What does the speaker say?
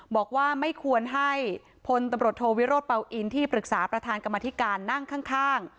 บอกว่าไม่ควรให้พลตำรวจโทวิโรธเป่าอินที่ปรึกษาประธานกรรมธิการนั่งข้าง